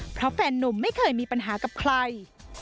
เพราะแฟนนุ่มไม่เคยมีปัญหากับใคร